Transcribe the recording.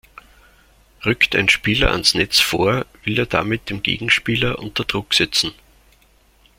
Rückt ein Spieler ans Netz vor, will er damit den Gegenspieler unter Druck setzen.